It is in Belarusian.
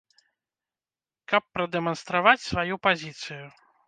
Каб прадэманстраваць сваю пазіцыю.